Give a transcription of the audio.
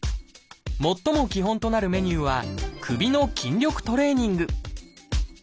最も基本となるメニューは「首の筋力トレーニング」。